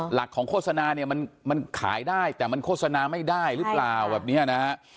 หลักของโฆษณามันขายได้แต่มันโฆษณาไม่ได้หรือเปล่า